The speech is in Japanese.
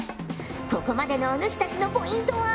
ここまでのおぬしたちのポイントは。